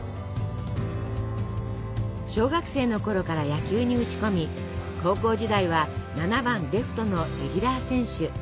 小学生のころから野球に打ち込み高校時代は７番レフトのレギュラー選手。